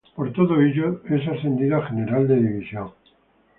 Por todo ello es ascendido a General de División.